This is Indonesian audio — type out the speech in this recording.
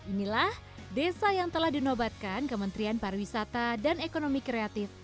inilah desa yang telah dinobatkan kementerian pariwisata dan ekonomi kreatif